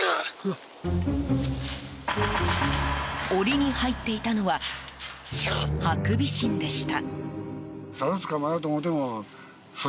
檻に入っていたのはハクビシンでした。